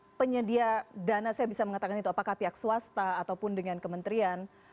untuk penyedia dana saya bisa mengatakan itu apakah pihak swasta ataupun dengan kementerian